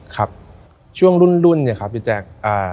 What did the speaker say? ครับช่วงรุ่นเนี่ยครับพี่แจ๊ค